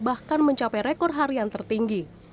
bahkan mencapai rekor harian tertinggi